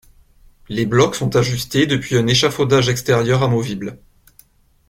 Les blocs sont ajustés depuis un échafaudage extérieur amovible.